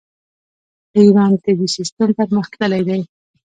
د ایران طبي سیستم پرمختللی دی.